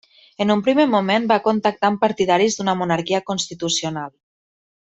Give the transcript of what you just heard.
En un primer moment va contactar amb partidaris d'una monarquia constitucional.